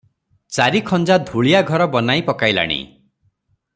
ଚାରି ଖଞ୍ଜା ଧୂଳିଆ ଘର ବନାଇ ପକାଇଲାଣି ।